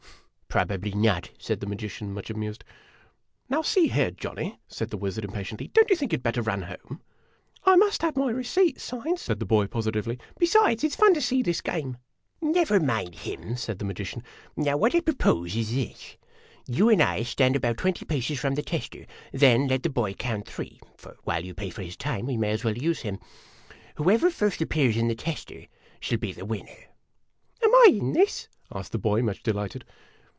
" Probably not," said the magician, much amused. "Now see here, Johnny," said the wizard, impatiently, "don't you think you 'd better run home?" "I must have my receipt signed," said the boy, positively; "be sides, it 's fun to see this irame.' o> " Never mincl him," said the magician. " Now, what I propose is this : You and I stand about twenty paces from the tester ; then let the boy count three (for, while you pay for his time, we may as well use him). Whoever first appears in the tester shall be the winner." " Am I in this ?" asked the boy, much delighted.